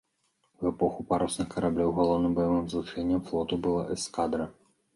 У эпоху парусных караблёў галоўным баявым злучэннем флоту была эскадра.